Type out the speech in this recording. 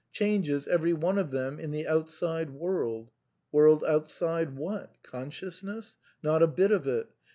Changes, every one of them, in the outside world World outside what f Consciousness ? Not a bit of it.